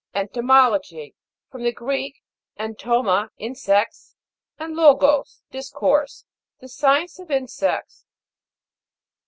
ENTOMO'LOGY. From the Greek, entoma, insects, and logos, dis course. The science of insects.